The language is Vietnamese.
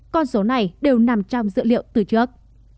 con số này đều nằm trong dự liệu từ trước